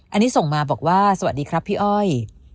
อันนี้ส่งมาบอกว่าสวัสดีครับพี่อ้อย